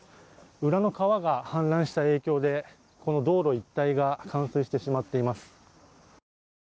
裏の川が氾濫した影響で道路一帯が冠水してしまっています。